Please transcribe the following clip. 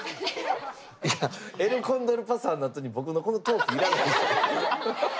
いやエルコンドルパサーの後に僕のこのトーク要らんでしょ。